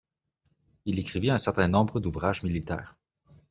Il écrivit un certain nombre d'ouvrages militaires.